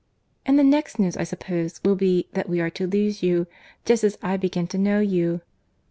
"And the next news, I suppose, will be, that we are to lose you—just as I begin to know you."